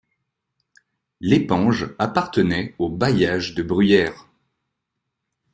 Lépanges appartenait au bailliage de Bruyères.